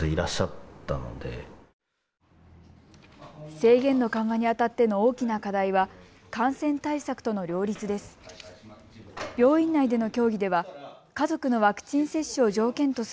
制限の緩和にあたっての大きな課題は感染対策との両立です。